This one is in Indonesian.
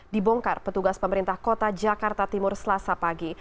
dibongkar petugas pemerintah kota jakarta timur selasa pagi